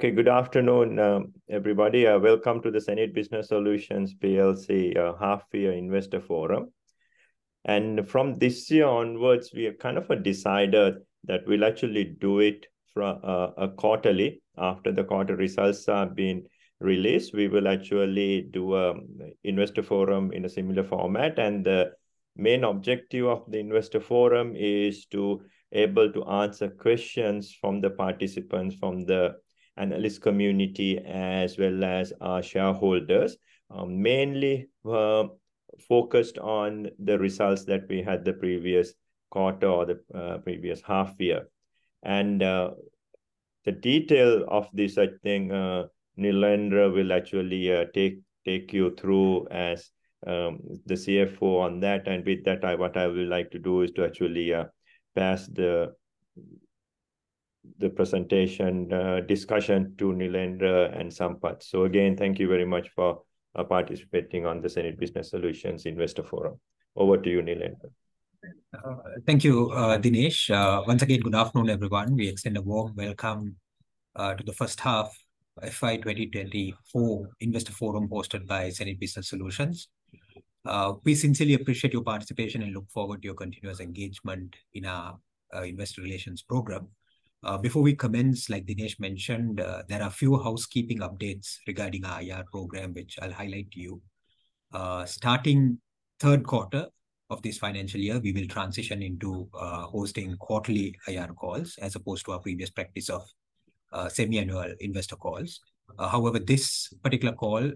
Okay, good afternoon, everybody. Welcome to the hSenid Business Solutions PLC Half-Year Investor Forum. And from this year onwards, we have kind of decided that we'll actually do it from a quarterly. After the quarter results have been released, we will actually do investor forum in a similar format. And the main objective of the investor forum is to able to answer questions from the participants, from the analyst community, as well as our shareholders. Mainly focused on the results that we had the previous quarter or the previous half year. And the detail of this, I think, Nilendra will actually take you through as the CFO on that. And with that, what I would like to do is to actually pass the presentation discussion to Nilendra and Sampath. Again, thank you very much for participating on the hSenid Business Solutions investor forum. Over to you, Nilendra. Thank you, Dinesh. Once again, good afternoon, everyone. We extend a warm welcome to the first half FY 2024 investor forum hosted by hSenid Business Solutions. We sincerely appreciate your participation and look forward to your continuous engagement in our investor relations program. Before we commence, like Dinesh mentioned, there are a few housekeeping updates regarding our IR program, which I'll highlight to you. Starting third quarter of this financial year, we will transition into hosting quarterly IR calls, as opposed to our previous practice of semi-annual investor calls. However, this particular call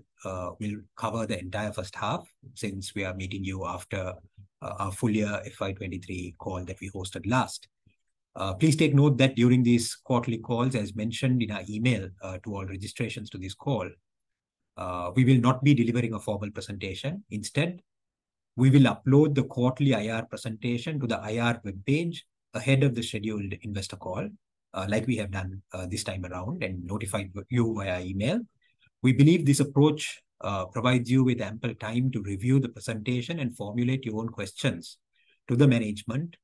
will cover the entire first half, since we are meeting you after our full year FY 2023 call that we hosted last. Please take note that during these quarterly calls, as mentioned in our email, to all registrations to this call, we will not be delivering a formal presentation. Instead, we will upload the quarterly IR presentation to the IR webpage ahead of the scheduled investor call, like we have done, this time around and notified you via email. We believe this approach provides you with ample time to review the presentation and formulate your own questions to the management,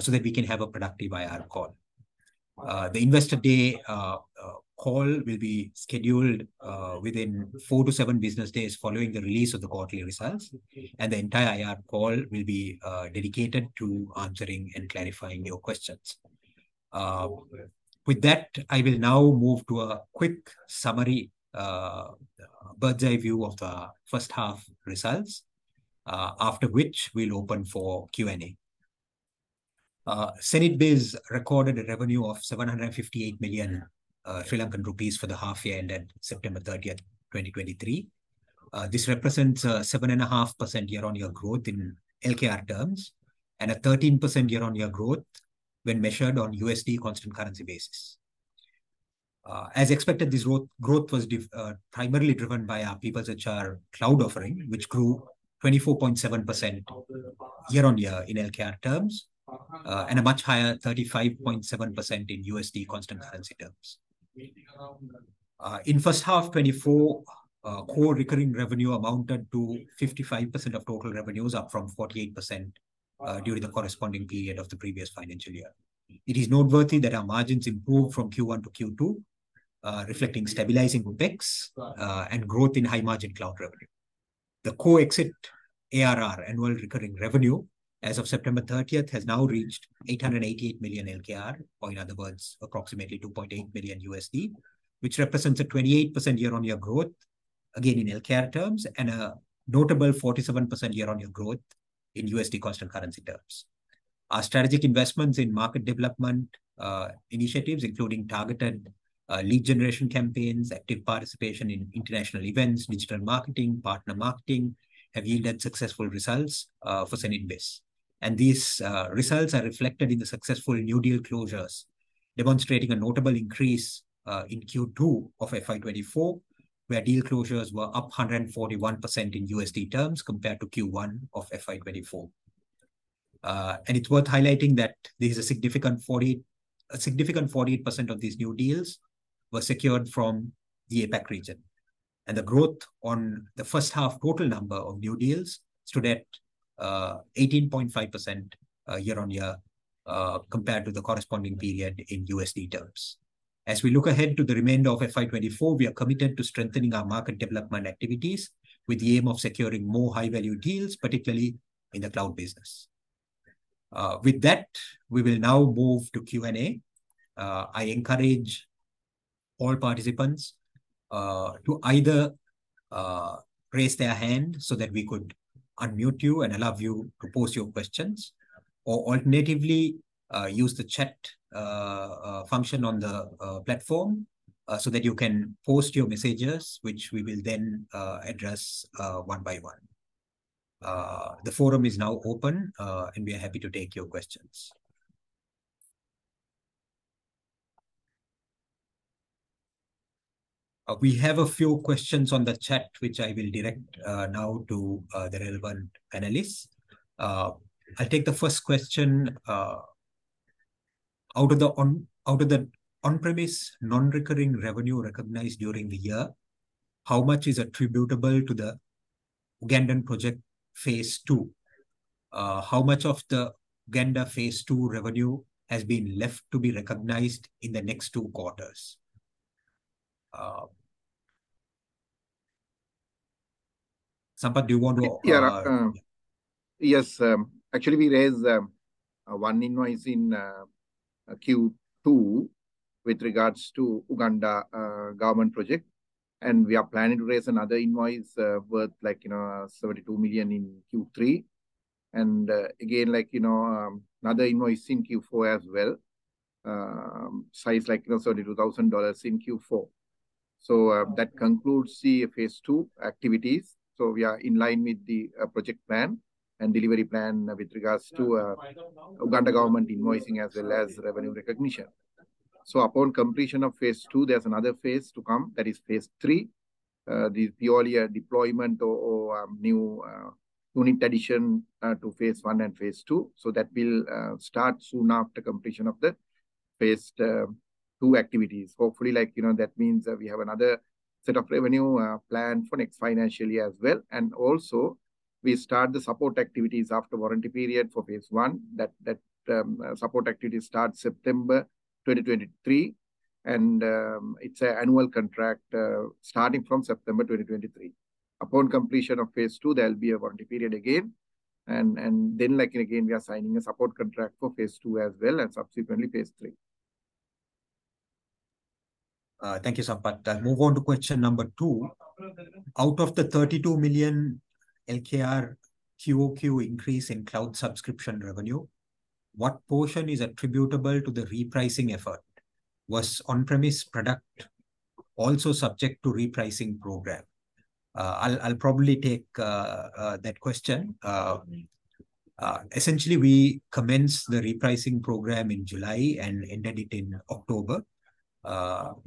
so that we can have a productive IR call. The Investor Day call will be scheduled within four to seven business days following the release of the quarterly results, and the entire IR call will be dedicated to answering and clarifying your questions. With that, I will now move to a quick summary, bird's-eye view of the first half results, after which we'll open for Q&A. hSenid Business Solutions recorded a revenue of LKR 758 million for the half year ended September 30, 2023. This represents 7.5% year-on-year growth in LKR terms, and a 13% year-on-year growth when measured on USD constant currency basis. As expected, this growth was primarily driven by our PeoplesHR cloud offering, which grew 24.7% year-on-year in LKR terms, and a much higher 35.7% in USD constant currency terms. In first half 2024, core recurring revenue amounted to 55% of total revenues, up from 48%, during the corresponding period of the previous financial year. It is noteworthy that our margins improved from Q1 to Q2, reflecting stabilizing OpEx, and growth in high-margin cloud revenue. The core exit ARR, annual recurring revenue, as of September 30th, has now reached LKR 888 million, or in other words, approximately $2.8 million, which represents a 28% year-on-year growth, again, in LKR terms, and a notable 47% year-on-year growth in USD constant currency terms. Our strategic investments in market development initiatives, including targeted lead generation campaigns, active participation in international events, digital marketing, partner marketing, have yielded successful results for hSenid Business. And these results are reflected in the successful new deal closures, demonstrating a notable increase in Q2 of FY 2024, where deal closures were up 141% in USD terms compared to Q1 of FY 2024. And it's worth highlighting that there is a significant 48% of these new deals were secured from the APAC region. And the growth on the first half total number of new deals stood at 18.5%, year-on-year, compared to the corresponding period in USD terms. As we look ahead to the remainder of FY 2024, we are committed to strengthening our market development activities, with the aim of securing more high-value deals, particularly in the cloud business. With that, we will now move to Q&A. I encourage all participants to either raise their hand so that we could unmute you and allow you to pose your questions, or alternatively, use the chat function on the platform so that you can post your messages, which we will then address one by one. The forum is now open, and we are happy to take your questions. We have a few questions on the chat, which I will direct now to the relevant panelists. I'll take the first question. Out of the on-premise non-recurring revenue recognized during the year, how much is attributable to the Uganda project phase two. How much of the Uganda phase two revenue has been left to be recognized in the next two quarters? Sampath, do you want to? Yeah, yes, actually, we raised one invoice in Q2 with regards to Uganda government project, and we are planning to raise another invoice worth, like, you know, $72 million in Q3. And again, like, you know, another invoice in Q4 as well, size like, you know, $32,000 in Q4. So that concludes the phase two activities. So we are in line with the project plan and delivery plan with regards to Uganda government invoicing as well as revenue recognition. So upon completion of phase two, there's another phase to come, that is phase three. The purely deployment or new unit addition to phase one and phase two. So that will start soon after completion of the phase two activities. Hopefully, like, you know, that means that we have another set of revenue plan for next financial year as well. Also we start the support activities after warranty period for phase one, that support activity starts September 2023, and it's an annual contract starting from September 2023. Upon completion of phase two, there'll be a warranty period again, and then, like, again, we are signing a support contract for phase two as well, and subsequently phase three. Thank you, Sampath. I'll move on to question number two. Out of the LKR 32 million QOQ increase in cloud subscription revenue, what portion is attributable to the repricing effort? Was on-premise product also subject to repricing program? I'll probably take that question. Essentially, we commenced the repricing program in July and ended it in October. Out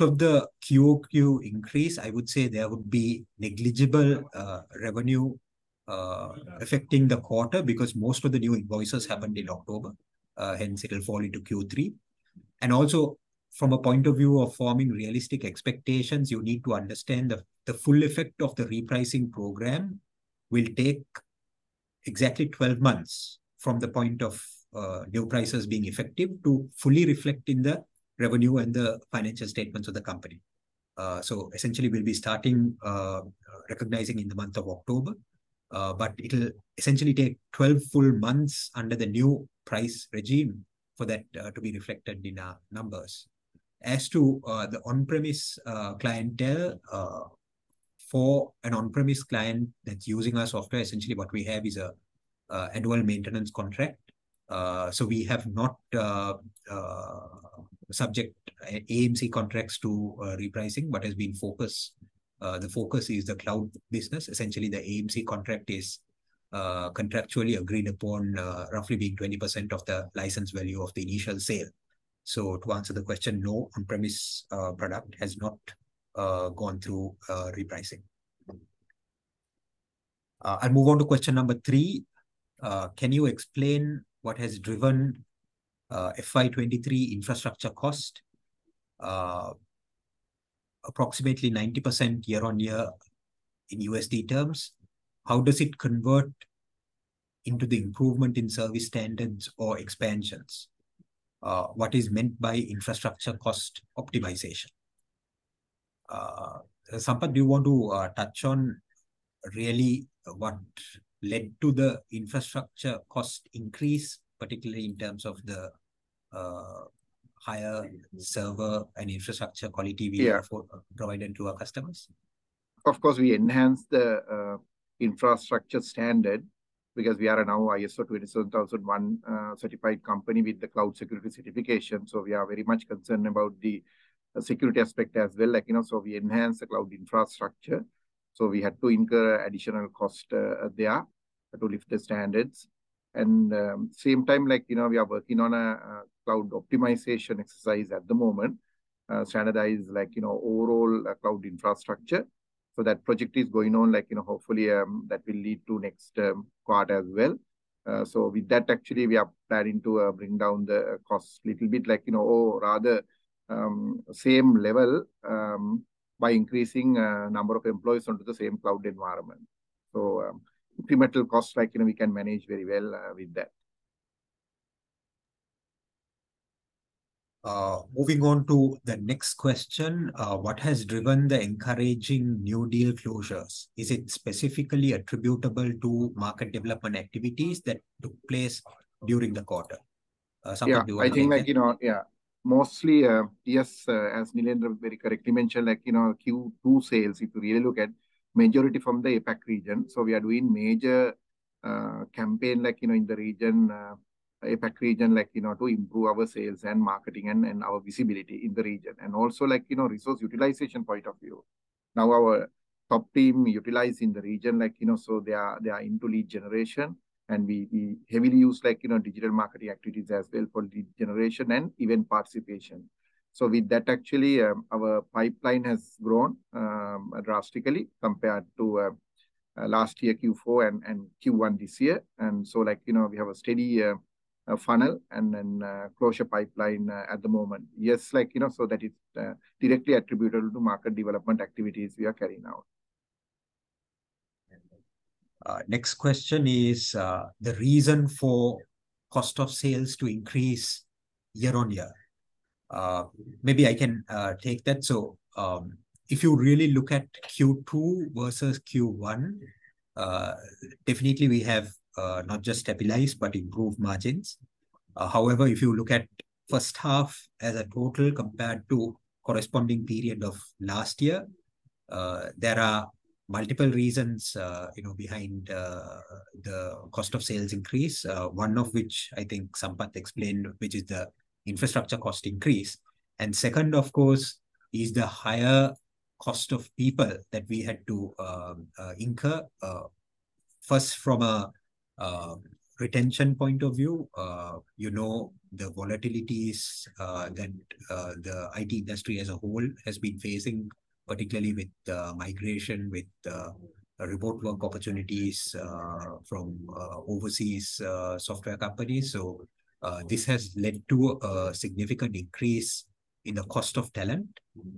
of the QOQ increase, I would say there would be negligible revenue affecting the quarter, because most of the new invoices happened in October, hence it'll fall into Q3. And also, from a point of view of forming realistic expectations, you need to understand the full effect of the repricing program will take exactly 12 months from the point of new prices being effective to fully reflect in the revenue and the financial statements of the company. So essentially we'll be starting recognizing in the month of October, but it'll essentially take 12 full months under the new price regime for that to be reflected in our numbers. As to the on-premise clientele, for an on-premise client that's using our software, essentially what we have is a annual maintenance contract. So we have not subject AMC contracts to repricing, but has been focused... the focus is the cloud business. Essentially, the AMC contract is contractually agreed upon, roughly being 20% of the license value of the initial sale. So to answer the question, no, on-premise product has not gone through repricing. I'll move on to question number three. Can you explain what has driven FY 2023 infrastructure cost approximately 90% year-on-year in USD terms? How does it convert into the improvement in service standards or expansions? What is meant by infrastructure cost optimization? Sampath, do you want to touch on really what led to the infrastructure cost increase, particularly in terms of the higher server and infrastructure quality- Yeah.... we have provided to our customers? Of course, we enhanced the infrastructure standard because we are now an ISO 27001 certified company with the cloud security certification. So we are very much concerned about the security aspect as well, like, you know, so we enhance the cloud infrastructure. So we had to incur additional cost there to lift the standards. And same time, like, you know, we are working on a cloud optimization exercise at the moment, standardize, like, you know, overall cloud infrastructure. So that project is going on, like, you know, hopefully, that will lead to next quarter as well. So with that, actually, we are planning to bring down the costs little bit like, you know, or rather, same level, by increasing number of employees onto the same cloud environment. Incremental costs, like, you know, we can manage very well with that. Moving on to the next question: What has driven the encouraging new deal closures? Is it specifically attributable to market development activities that took place during the quarter? Sampath, do you want to? Yeah. I think, like, you know... Yeah, mostly, yes, as Nilendra very correctly mentioned, like, you know, Q2 sales, if you really look at majority from the APAC region. So we are doing major campaign, like, you know, in the region, APAC region, like, you know, to improve our sales and marketing and our visibility in the region. And also, like, you know, resource utilization point of view. Now our top team utilize in the region, like, you know, so they are into lead generation, and we heavily use, like, you know, digital marketing activities as well for lead generation and event participation. So with that, actually, our pipeline has grown drastically compared to last year, Q4 and Q1 this year. And so, like, you know, we have a steady a funnel and then, close your pipeline, at the moment. Yes, like, you know, so that it's, directly attributable to market development activities we are carrying out. Next question is the reason for cost of sales to increase year-on-year. Maybe I can take that. If you really look at Q2 versus Q1, definitely we have not just stabilized but improved margins. However, if you look at first half as a total compared to corresponding period of last year, there are multiple reasons, you know, behind the cost of sales increase. One of which I think Sampath explained, which is the infrastructure cost increase. Second, of course, is the higher cost of people that we had to incur. First, from a retention point of view, you know, the volatilities that the IT industry as a whole has been facing, particularly with the migration with remote work opportunities from overseas software companies. So, this has led to a significant increase in the cost of talent,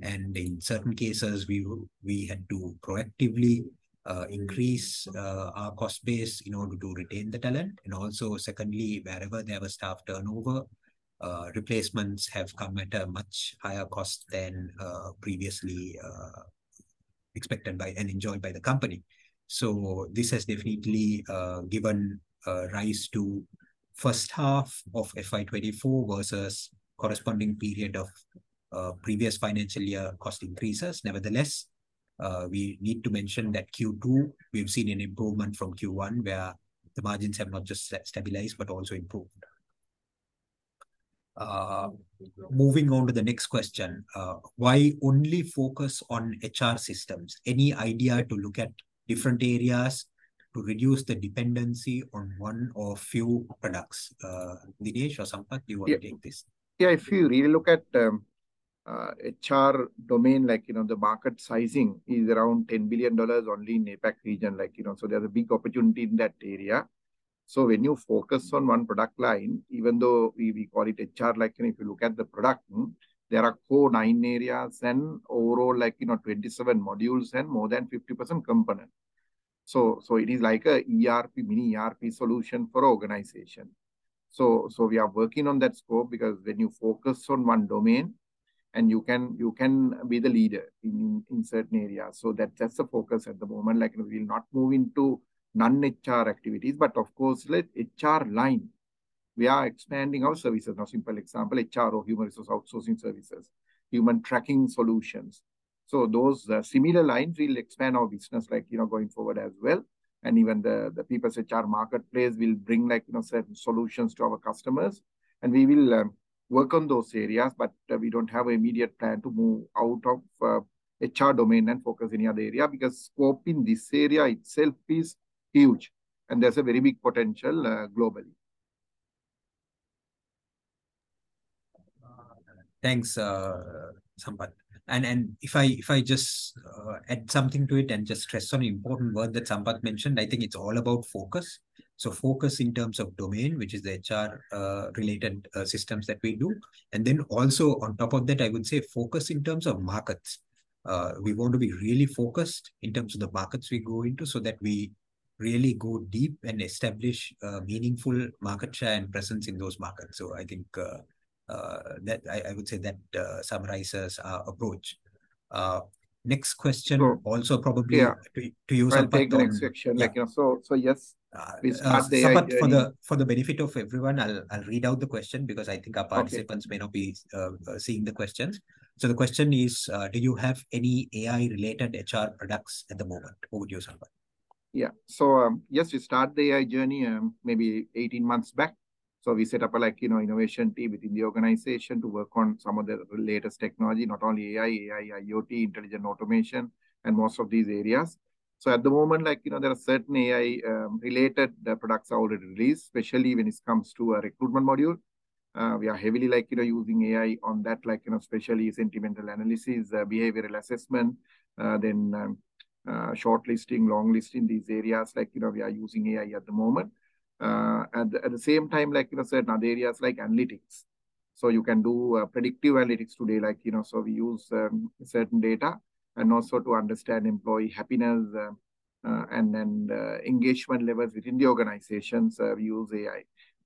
and in certain cases, we had to proactively increase our cost base in order to retain the talent. Also, secondly, wherever there was staff turnover, replacements have come at a much higher cost than previously expected by and enjoyed by the company. So this has definitely given rise to first half of FY 2024 versus corresponding period of previous financial year cost increases. Nevertheless, we need to mention that Q2, we've seen an improvement from Q1, where the margins have not just stabilized but also improved. Moving on to the next question: Why only focus on HR systems? Any idea to look at different areas to reduce the dependency on one or few products? Dinesh or Sampath, do you want to take this? Yeah, if you really look at HR domain, like, you know, the market sizing is around $10 billion only in APAC region, like, you know, so there's a big opportunity in that area. So when you focus on one product line, even though we call it HR, like, and if you look at the product, there are core nine areas and overall 27 modules and more than 50% component. So it is like a ERP, mini-ERP solution for organization. So we are working on that scope because when you focus on one domain, and you can be the leader in certain areas. So that's the focus at the moment. Like, we'll not move into non-HR activities, but of course, like HR line, we are expanding our services. Now, simple example, HR or human resource outsourcing services, human tracking solutions. So those, similar lines will expand our business, like, you know, going forward as well. And even the, the PeoplesHR marketplace will bring, like, you know, certain solutions to our customers, and we will, work on those areas. But, we don't have an immediate plan to move out of HR domain and focus any other are because scope in this area itself is huge, and there's a very big potential, globally. Thanks, Sampath. And if I just add something to it and just stress one important word that Sampath mentioned, I think it's all about focus. So focus in terms of domain, which is the HR-related systems that we do. And then also on top of that, I would say focus in terms of markets. We want to be really focused in terms of the markets we go into, so that we really go deep and establish a meaningful market share and presence in those markets. So I think that I would say that summarizes our approach. Next question- Sure.... also probably- Yeah.... to use Sampath- I'll take the next question. Yeah. Like, you know, so, so yes, we start the AI journey- Sampath, for the benefit of everyone, I'll read out the question because I think our- Okay.... participants may not be seeing the questions. So the question is: Do you have any AI-related HR products at the moment? Over to you, Sampath. Yeah. So, yes, we start the AI journey, maybe 18 months back. So we set up a, like, you know, innovation team within the organization to work on some of the latest technology, not only AI, AI, IoT, intelligent automation, and most of these areas. So at the moment, like, you know, there are certain AI-related products are already released, especially when it comes to a recruitment module. We are heavily, like, you know, using AI on that, like, you know, especially sentiment analysis, behavioral assessment, then, shortlisting, longlisting these areas. Like, you know, we are using AI at the moment. At the, at the same time, like, you know, certain other areas like analytics. So you can do predictive analytics today, like, you know, so we use certain data and also to understand employee happiness and then engagement levels within the organization, so we use AI.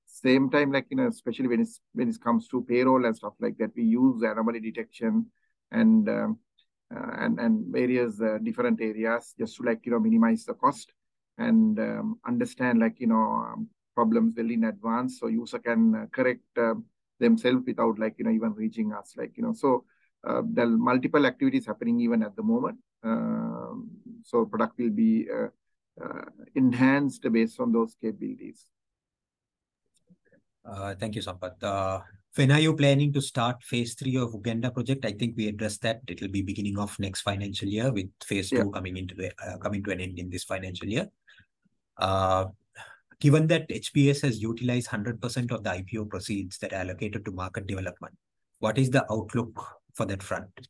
Same time, like, you know, especially when it comes to payroll and stuff like that, we use anomaly detection and various different areas just to, like, you know, minimize the cost and understand, like, you know, problems well in advance, so user can correct themselves without, like, you know, even reaching us. Like, you know, so there are multiple activities happening even at the moment. So product will be enhanced based on those capabilities. Thank you, Sampath. When are you planning to start phase three of Uganda project? I think we addressed that. It'll be beginning of next financial year- Yeah.... with phase two coming to an end in this financial year. Given that hSenid has utilized 100% of the IPO proceeds that are allocated to market development, what is the outlook for that front?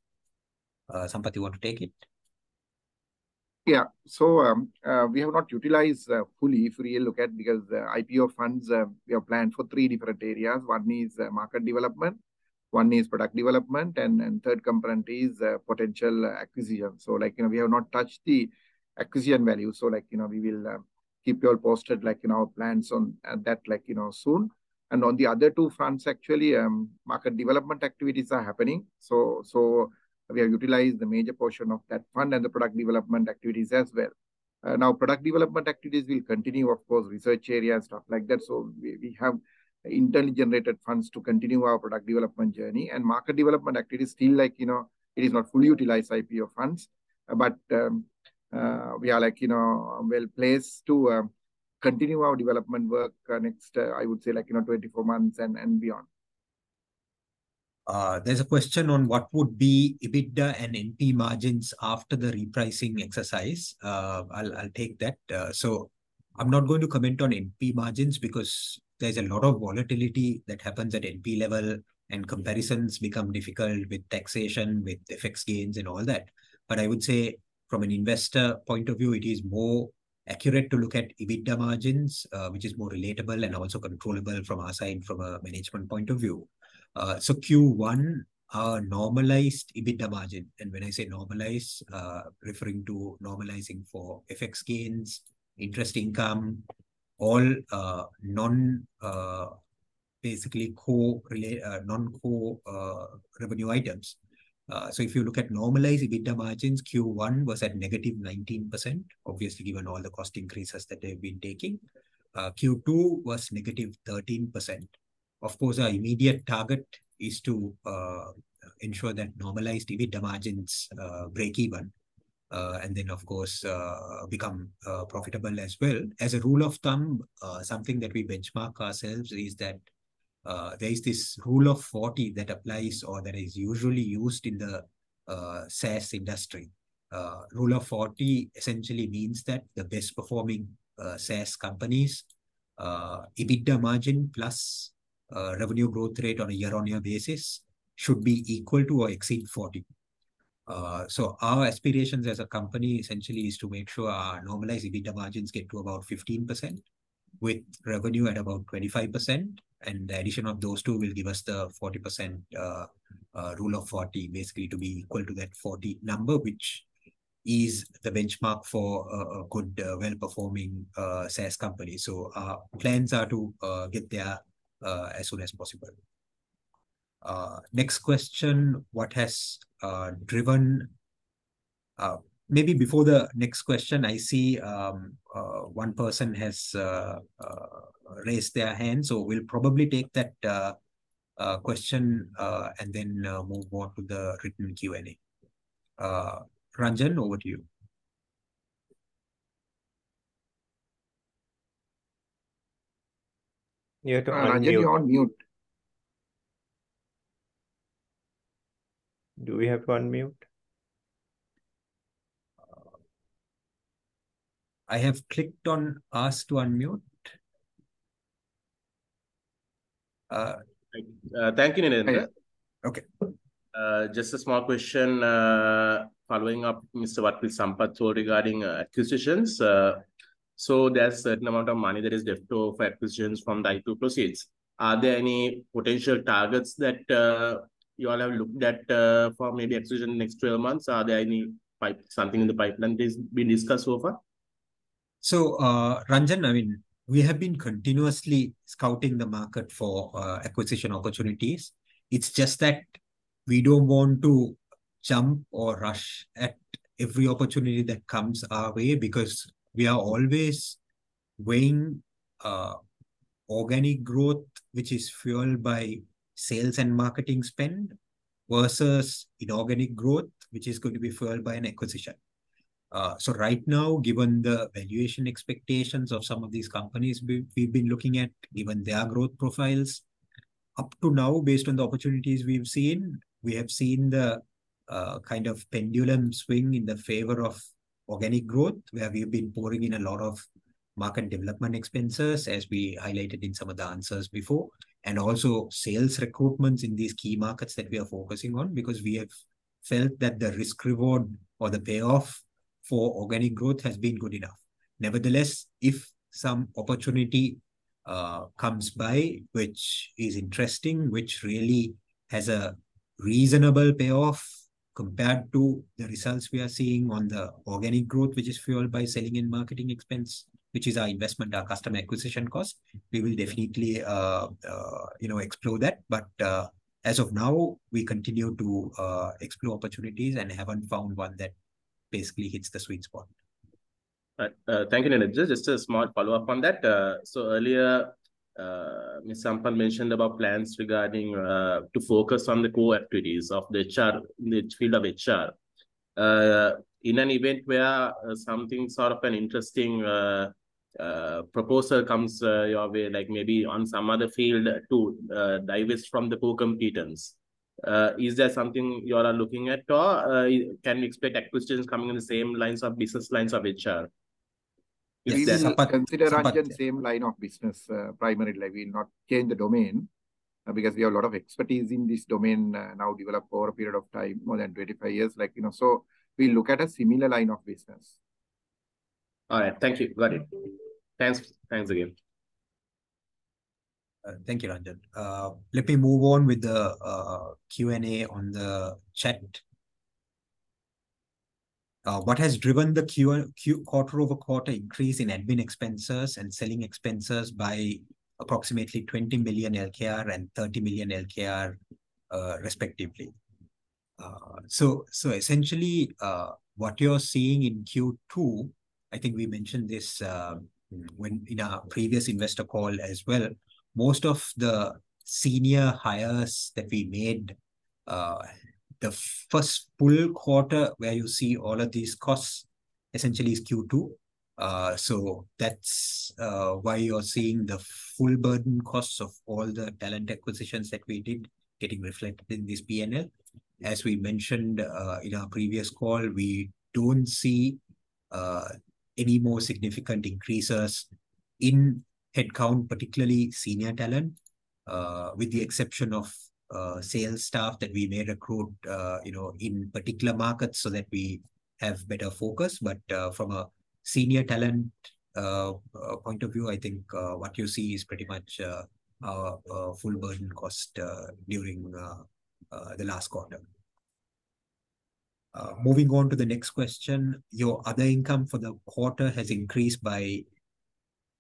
Sampath, you want to take it? Yeah. So, we have not utilized fully if we look at because the IPO funds, we have planned for three different areas. One is, market development, one is product development, and, and third component is, potential acquisition. So, like, you know, we have not touched the acquisition value. So, like, you know, we will, keep you all posted, like, in our plans on, that, like, you know, soon. And on the other two fronts, actually, market development activities are happening. So, so we have utilized the major portion of that fund and the product development activities as well. Now product development activities will continue, of course, research area and stuff like that. So we, we have internally generated funds to continue our product development journey. Market development activities still, like, you know, it is not fully utilized IPO funds, but, we are, like, you know, well-placed to, continue our development work, next, I would say, like, you know, 24 months and beyond. There's a question on what would be EBITDA and NP margins after the repricing exercise. I'll take that. So I'm not going to comment on NP margins because there's a lot of volatility that happens at NP level, and comparisons become difficult with taxation, with the FX gains and all that. But I would say from an investor point of view, it is more accurate to look at EBITDA margins, which is more relatable and also controllable from our side, from a management point of view. So Q1, our normalized EBITDA margin, and when I say normalized, referring to normalizing for FX gains, interest income, all non-core revenue items. So if you look at normalized EBITDA margins, Q1 was at -19%, obviously, given all the cost increases that they've been taking. Q2 was -13%. Of course, our immediate target is to ensure that normalized EBITDA margins break even, and then of course, become profitable as well. As a rule of thumb, something that we benchmark ourselves is that there is this Rule of 40 that applies or that is usually used in the SaaS industry. Rule of 40 essentially means that the best performing SaaS companies, EBITDA margin plus revenue growth rate on a year-on-year basis should be equal to or exceed 40. So our aspirations as a company essentially is to make sure our normalized EBITDA margins get to about 15%, with revenue at about 25%, and the addition of those two will give us the 40%, Rule of 40, basically to be equal to that 40 number, which is the benchmark for a good, well-performing, SaaS company. So, our plans are to get there as soon as possible. Next question: What has driven... Maybe before the next question, I see one person has raised their hand, so we'll probably take that question, and then move on to the written Q&A. Ranjan, over to you. You're on mute. Ranjan, you're on mute. Do we have to unmute? I have clicked on ask to unmute. Thank you, Nilendra. Okay. Just a small question, following up, Mr. Sampath, regarding acquisitions. So there's a certain amount of money that is left over for acquisitions from the IPO proceeds. Are there any potential targets that you all have looked at for maybe acquisition in the next 12 months? Are there any anything in the pipeline that is being discussed so far? So, Ranjan, I mean, we have been continuously scouting the market for acquisition opportunities. It's just that we don't want to jump or rush at every opportunity that comes our way, because we are always weighing organic growth, which is fueled by sales and marketing spend, versus inorganic growth, which is going to be fueled by an acquisition. So right now, given the valuation expectations of some of these companies we've been looking at, given their growth profiles, up to now, based on the opportunities we've seen, we have seen the kind of pendulum swing in the favor of organic growth, where we've been pouring in a lot of market development expenses, as we highlighted in some of the answers before, and also sales recruitments in these key markets that we are focusing on, because we have felt that the risk reward or the payoff for organic growth has been good enough. Nevertheless, if some opportunity comes by, which is interesting, which really has a reasonable payoff compared to the results we are seeing on the organic growth, which is fueled by selling and marketing expense, which is our investment, our customer acquisition cost, we will definitely, you know, explore that. As of now, we continue to explore opportunities and haven't found one that basically hits the sweet spot. Thank you, Nilendra. Just, just a small follow-up on that. So earlier, Mr. Sampath mentioned about plans regarding to focus on the core activities of the HR, in the field of HR. In an event where something sort of an interesting proposal comes your way, like maybe on some other field to divest from the core competence, is that something you all are looking at, or can we expect acquisitions coming in the same lines of business lines of HR? We will consider the same line of business, primarily. We will not change the domain, because we have a lot of expertise in this domain, now developed over a period of time, more than 25 years, like, you know. So we look at a similar line of business. All right. Thank you, got it. Thanks. Thanks again. Thank you, Ranjan. Let me move on with the Q&A on the chat. What has driven the Q and Q- quarter-over-quarter increase in admin expenses and selling expenses by approximately LKR 20 million and LKR 30 million, respectively? So essentially, what you're seeing in Q2, I think we mentioned this when in our previous investor call as well, most of the senior hires that we made, the first full quarter where you see all of these costs essentially is Q2. So that's why you're seeing the full burden costs of all the talent acquisitions that we did getting reflected in this P&L. As we mentioned, in our previous call, we don't see any more significant increases in headcount, particularly senior talent, with the exception of sales staff that we may recruit, you know, in particular markets so that we have better focus. But, from a senior talent point of view, I think what you see is pretty much a full burden cost during the last quarter. Moving on to the next question: Your other income for the quarter has increased by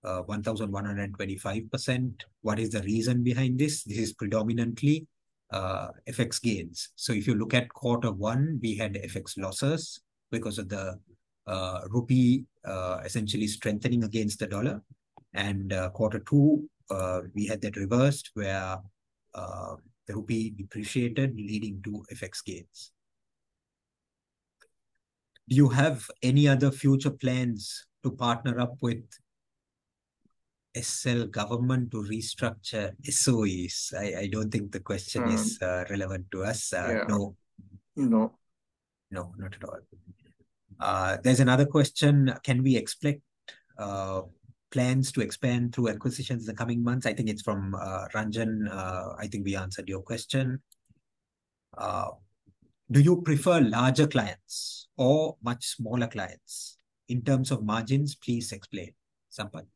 1,125%. What is the reason behind this? This is predominantly FX gains. So if you look at quarter one, we had FX losses because of the rupee essentially strengthening against the dollar. Quarter two, we had that reversed, where the rupee depreciated, leading to FX gains. Do you have any other future plans to partner up with SL government to restructure SOEs? I, I don't think the question is- Mm-hmm.... relevant to us. Yeah. Uh, no. No. No, not at all. There's another question: Can we expect plans to expand through acquisitions in the coming months? I think it's from Ranjan. I think we answered your question. Do you prefer larger clients or much smaller clients in terms of margins? Please explain, Sampath.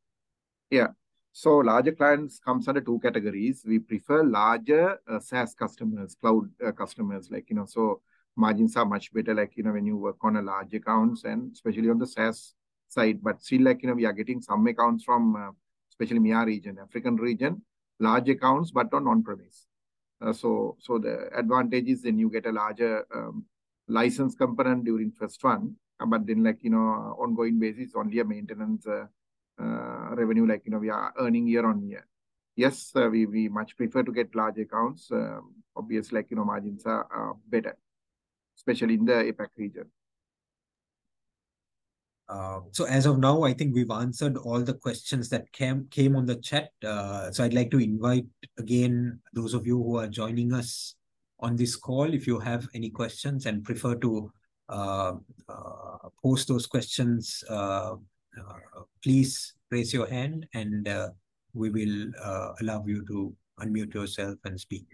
Yeah. So larger clients comes under two categories. We prefer larger, SaaS customers, cloud, customers, like, you know, so margins are much better, like, you know, when you work on a large accounts and especially on the SaaS side. But still, like, you know, we are getting some accounts from, especially MEA region, African region, large accounts, but on on-premise. So, so the advantage is then you get a larger, license component during first one, but then, like, you know, ongoing basis, only a maintenance, revenue, like, you know, we are earning year on year. Yes, we, we much prefer to get large accounts. Obviously, like, you know, margins are, are better, especially in the APAC region. So as of now, I think we've answered all the questions that came on the chat. So I'd like to invite, again, those of you who are joining us on this call, if you have any questions and prefer to post those questions, please raise your hand, and we will allow you to unmute yourself and speak.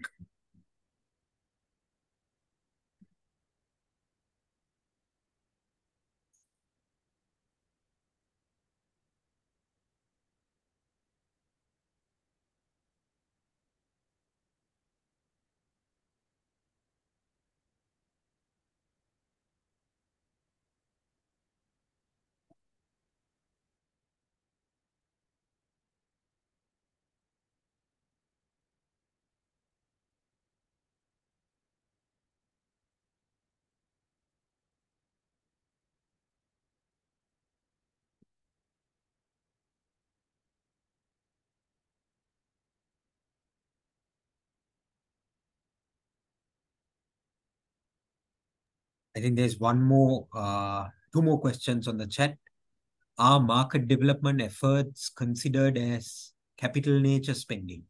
I think there's one more, two more questions on the chat. Are market development efforts considered as capital nature spending?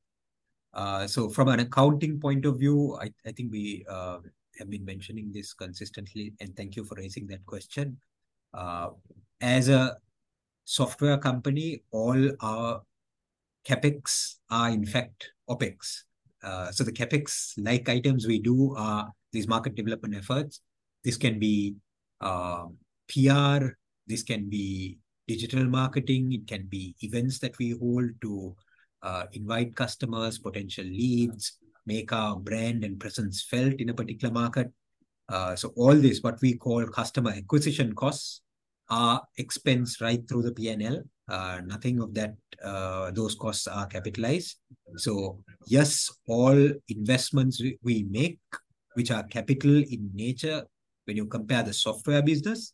So from an accounting point of view, I think we have been mentioning this consistently, and thank you for raising that question. As a software company, all our CapEx are, in fact, OpEx. So the CapEx-like items we do, these market development efforts, this can be, PR, this can be digital marketing, it can be events that we hold to, invite customers, potential leads, make our brand and presence felt in a particular market. So all this, what we call customer acquisition costs, are expense right through the P&L. Nothing of that, those costs are capitalized. So yes, all investments we, we make, which are capital in nature, when you compare the software business,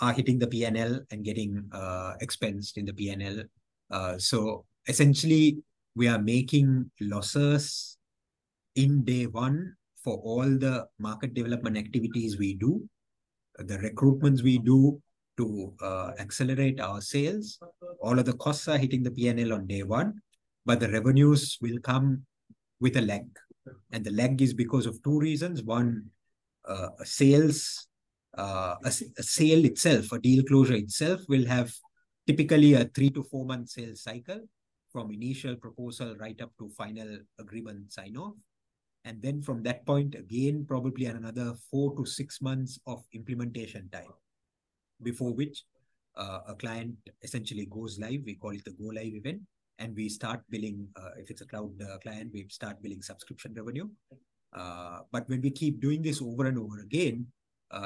are hitting the P&L and getting, expensed in the P&L. So essentially, we are making losses in day one for all the market development activities we do. The recruitments we do to, accelerate our sales, all of the costs are hitting the P&L on day one, but the revenues will come-... with a lag. The lag is because of two reasons: one, a sales, a sale itself, a deal closure itself will have typically a three- to four-month sales cycle, from initial proposal right up to final agreement sign-off. Then from that point, again, probably another four to six months of implementation time, before which, a client essentially goes live. We call it the go-live event, and we start billing. If it's a cloud, client, we start billing subscription revenue. But when we keep doing this over and over again,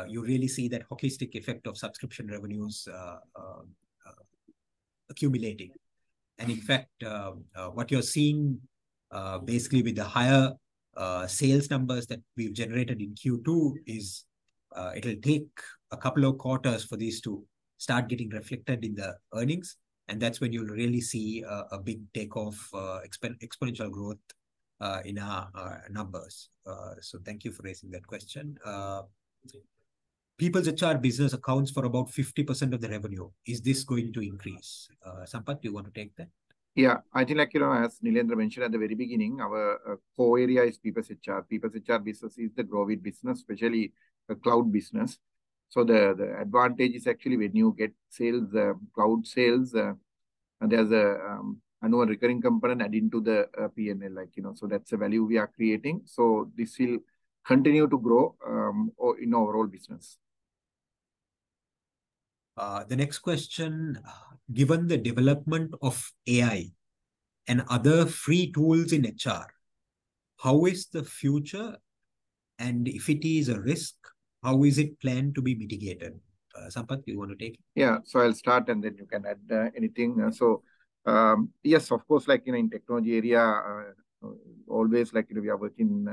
you really see that hockey stick effect of subscription revenues accumulating. In fact, what you're seeing, basically with the higher sales numbers that we've generated in Q2 is, it'll take a couple of quarters for these to start getting reflected in the earnings, and that's when you'll really see a big takeoff, exponential growth in our numbers. Thank you for raising that question. PeoplesHR business accounts for about 50% of the revenue. Is this going to increase? Sampath, do you want to take that? Yeah. I think, like, you know, as Nilendra mentioned at the very beginning, our core area is PeoplesHR. PeoplesHR business is the growing business, especially the cloud business. So the advantage is actually when you get sales, cloud sales, there's an annual recurring component adding to the P&L, like, you know, so that's a value we are creating. So this will continue to grow in our overall business. The next question: Given the development of AI and other free tools in HR, how is the future? And if it is a risk, how is it planned to be mitigated? Sampath, do you want to take it? Yeah, so I'll start, and then you can add anything. So, yes, of course, like, you know, in technology area, always like we are working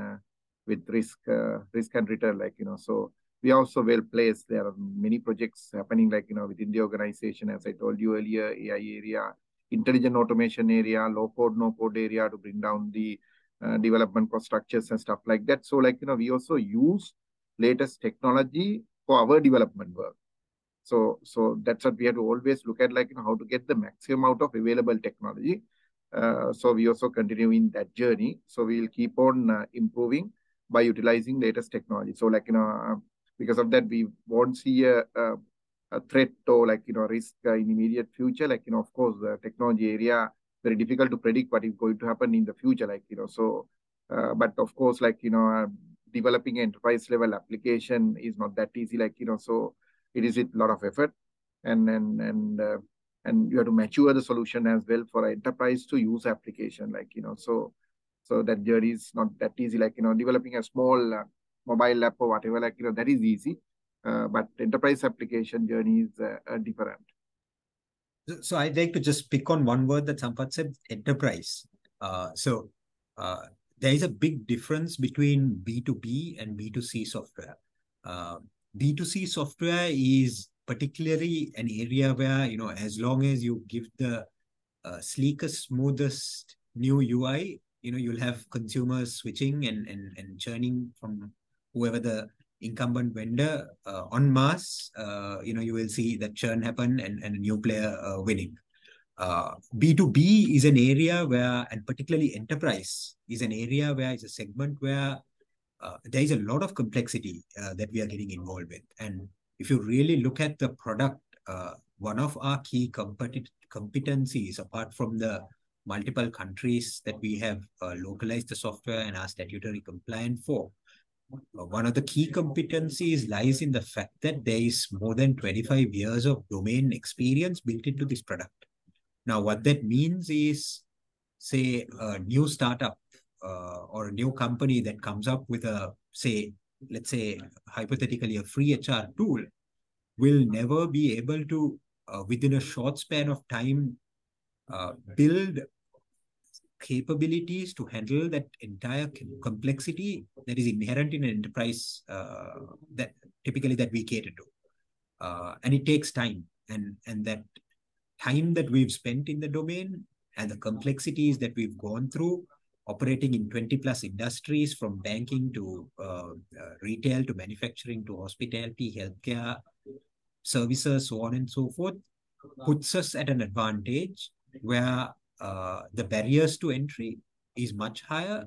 with risk and return, like, you know, so we are also well-placed. There are many projects happening, like, you know, within the organization, as I told you earlier, AI area, intelligent automation area, low-code/no-code area to bring down the development cost structures and stuff like that. So like, you know, we also use latest technology for our development work. So, that's what we have to always look at, like, you know, how to get the maximum out of available technology. So we also continue in that journey. So we'll keep on improving by utilizing latest technology. So, like, you know, because of that, we won't see a threat or like, you know, risk in immediate future. Like, you know, of course, the technology area, very difficult to predict what is going to happen in the future, like, you know, so. But of course, like, you know, developing enterprise-level application is not that easy. Like, you know, so it is a lot of effort, and you have to mature the solution as well for enterprise to use application, like, you know, so, so that journey is not that easy. Like, you know, developing a small, mobile app or whatever, like, you know, that is easy, but enterprise application journey is different. So I'd like to just pick on one word that Sampath said: enterprise. So, there is a big difference between B2B and B2C software. B2C software is particularly an area where, you know, as long as you give the sleekest, smoothest new UI, you know, you'll have consumers switching and, and, and churning from whoever the incumbent vendor en masse. You know, you will see that churn happen and, and a new player winning. B2B is an area where... and particularly enterprise is an area where it's a segment where there is a lot of complexity that we are getting involved with. If you really look at the product, one of our key competencies, apart from the multiple countries that we have localized the software and are statutorily compliant for, one of the key competencies lies in the fact that there is more than 25 years of domain experience built into this product. Now, what that means is, say, a new startup or a new company that comes up with a, say, let's say, hypothetically, a free HR tool, will never be able to, within a short span of time, build capabilities to handle that entire complexity that is inherent in an enterprise that typically that we cater to. And it takes time, and that time that we've spent in the domain and the complexities that we've gone through, operating in 20+ industries, from banking to retail, to manufacturing, to hospitality, healthcare, services, so on and so forth, puts us at an advantage where the barriers to entry is much higher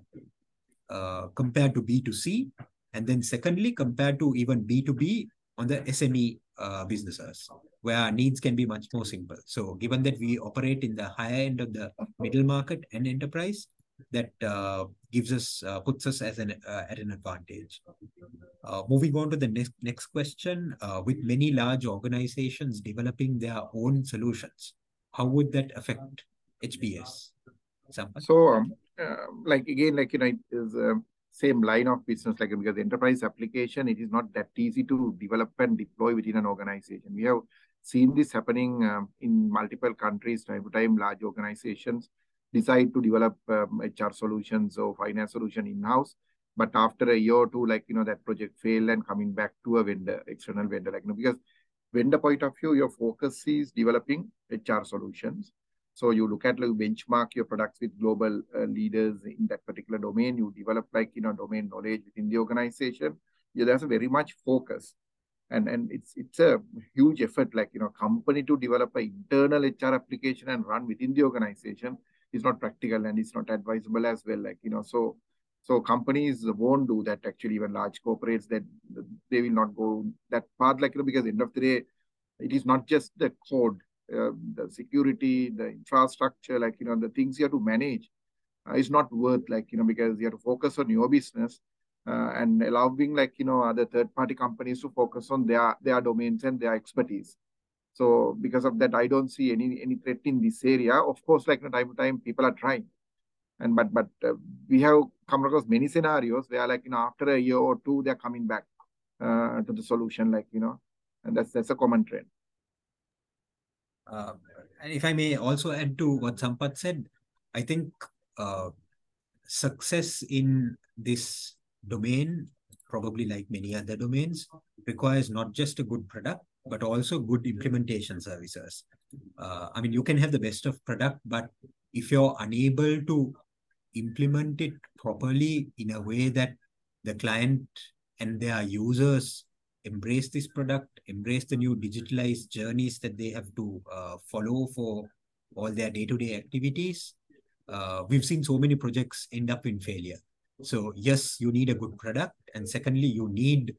compared to B2C, and then secondly, compared to even B2B on the SME businesses, where our needs can be much more simple. So given that we operate in the higher end of the middle market and enterprise, that gives us puts us as an at an advantage. Moving on to the next, next question: With many large organizations developing their own solutions, how would that affect HBS? Sampath? So, like, again, like, you know, it's same line of business, like, because enterprise application, it is not that easy to develop and deploy within an organization. We have seen this happening in multiple countries. Time to time, large organizations decide to develop HR solutions or finance solution in-house. But after a year or two, like, you know, that project fail and coming back to a vendor, external vendor, like, you know. Because vendor point of view, your focus is developing HR solutions. So you look at, like, benchmark your products with global leaders in that particular domain. You develop, like, you know, domain knowledge within the organization. Yeah, that's very much focused. It's a huge effort, like, you know, company to develop an internal HR application and run within the organization. It's not practical, and it's not advisable as well, like, you know. So companies won't do that actually, even large corporates that they will not go that path, like, you know, because at the end of the day, it is not just the code, the security, the infrastructure, like, you know, the things you have to manage is not worth like, you know, because you have to focus on your business, and allowing, like, you know, other third-party companies to focus on their domains and their expertise. So because of that, I don't see any threat in this area. Of course, like, from time to time, people are trying, and but, but, we have come across many scenarios where, like, you know, after a year or two, they're coming back to the solution, like, you know, and that's, that's a common trend. And if I may also add to what Sampath said, I think, success in this domain, probably like many other domains, requires not just a good product, but also good implementation services. I mean, you can have the best of product, but if you're unable to implement it properly in a way that the client and their users embrace this product, embrace the new digitalized journeys that they have to, follow for all their day-to-day activities... We've seen so many projects end up in failure. So yes, you need a good product, and secondly, you need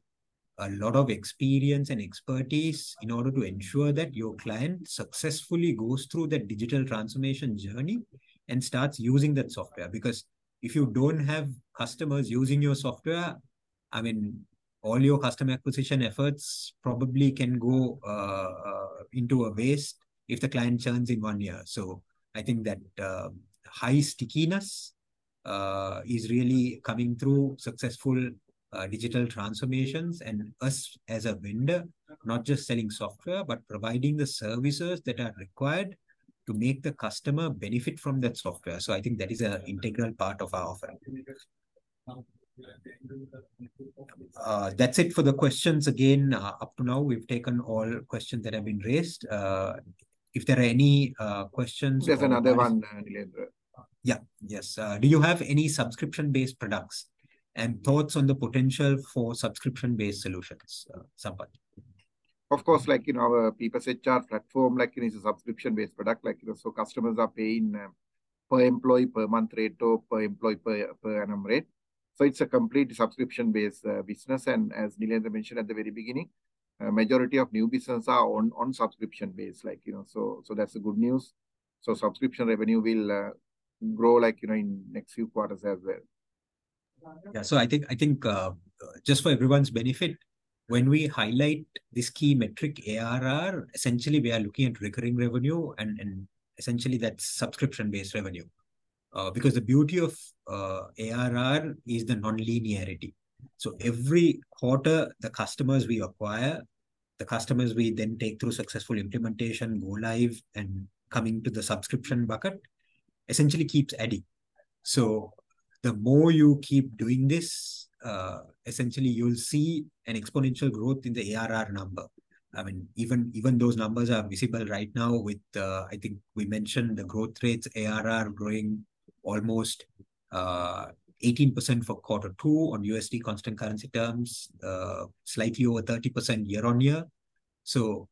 a lot of experience and expertise in order to ensure that your client successfully goes through that digital transformation journey and starts using that software. Because if you don't have customers using your software, I mean, all your customer acquisition efforts probably can go into a waste if the client churns in one year. So I think that high stickiness is really coming through successful digital transformations, and us, as a vendor, not just selling software, but providing the services that are required to make the customer benefit from that software. So I think that is an integral part of our offering. That's it for the questions again. Up to now, we've taken all questions that have been raised. If there are any questions- There's another one, Nilendra. Yeah. Yes. Do you have any subscription-based products, and thoughts on the potential for subscription-based solutions? Sampath. Of course, like, you know, our PeoplesHR platform, like, it is a subscription-based product. Like, you know, so customers are paying, per employee per month rate or per employee per, per annum rate. So it's a complete subscription-based, business, and as Nilendra mentioned at the very beginning, a majority of new business are on, on subscription-based, like, you know, so, so that's the good news. So subscription revenue will, grow, like, you know, in next few quarters as well. Yeah. So I think, I think, just for everyone's benefit, when we highlight this key metric, ARR, essentially, we are looking at recurring revenue, and, and essentially that's subscription-based revenue. Because the beauty of ARR is the non-linearity. So every quarter, the customers we acquire, the customers we then take through successful implementation, go live, and come into the subscription bucket, essentially keeps adding. So the more you keep doing this, essentially you'll see an exponential growth in the ARR number. I mean, even, even those numbers are visible right now with, I think we mentioned the growth rates, ARR growing almost 18% for quarter two on USD constant currency terms, slightly over 30% year-on-year. So,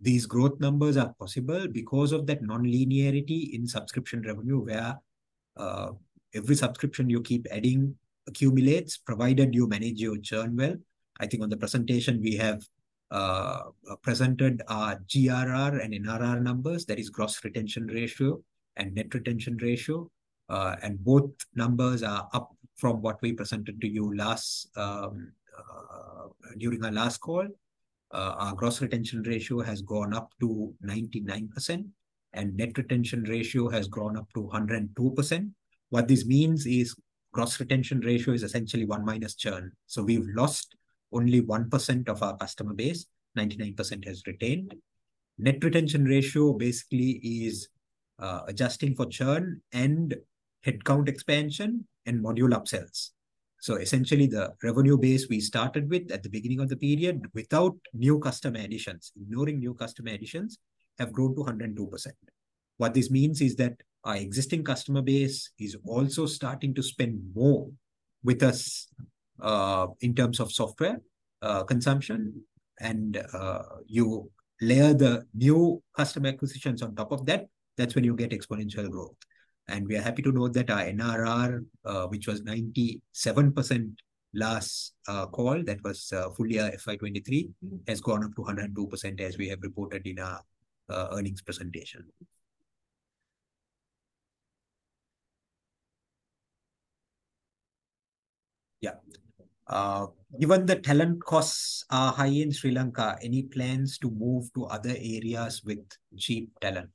these growth numbers are possible because of that non-linearity in subscription revenue, where every subscription you keep adding accumulates, provided you manage your churn well. I think on the presentation we have presented our GRR and NRR numbers, that is gross retention ratio and net retention ratio, and both numbers are up from what we presented to you last, during the last call. Our gross retention ratio has gone up to 99%, and net retention ratio has gone up to 102%. What this means is gross retention ratio is essentially one minus churn. So we've lost only 1% of our customer base, 99% has retained. Net retention ratio basically is adjusting for churn and headcount expansion and module upsells. So essentially, the revenue base we started with at the beginning of the period, without new customer additions, ignoring new customer additions, have grown to 102%. What this means is that our existing customer base is also starting to spend more with us, in terms of software, consumption, and, you layer the new customer acquisitions on top of that, that's when you get exponential growth. And we are happy to note that our NRR, which was 97% last, call, that was, full year FY 2023, has gone up to 102%, as we have reported in our, earnings presentation. Yeah. Given the talent costs are high in Sri Lanka, any plans to move to other areas with cheap talent?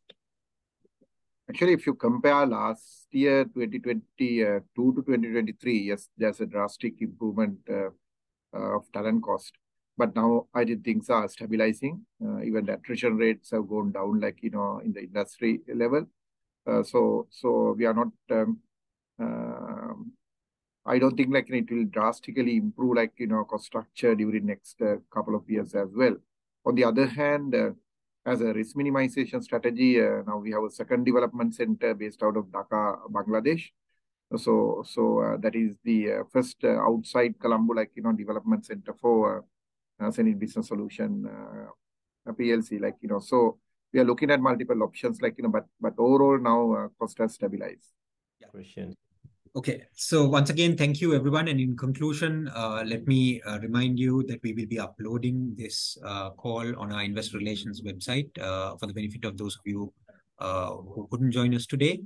Actually, if you compare last year, 2022 to 2023, yes, there's a drastic improvement of talent cost. But now I think things are stabilizing. Even the attrition rates have gone down, like, you know, in the industry level. So, so we are not... I don't think like it will drastically improve, like, you know, cost structure during next couple of years as well. On the other hand, as a risk minimization strategy, now we have a second development center based out of Dhaka, Bangladesh. So, so, that is the first outside Colombo, like, you know, development center for hSenid Business Solutions PLC, like, you know, so we are looking at multiple options, like, you know, but, but overall now, costs have stabilized. Yeah. Question. Okay. So once again, thank you everyone, and in conclusion, let me remind you that we will be uploading this call on our investor relations website for the benefit of those of you who couldn't join us today.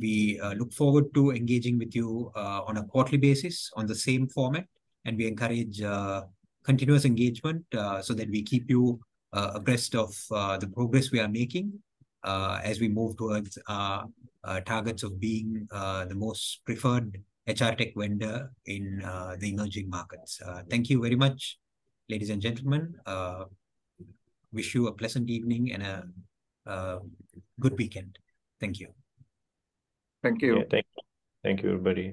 We look forward to engaging with you on a quarterly basis on the same format, and we encourage continuous engagement so that we keep you abreast of the progress we are making as we move towards targets of being the most preferred HR tech vendor in the emerging markets. Thank you very much, ladies and gentlemen. Wish you a pleasant evening and a good weekend. Thank you. Thank you. Yeah. Thank you. Thank you, everybody.